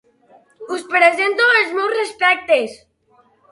Us presento els meus respectes.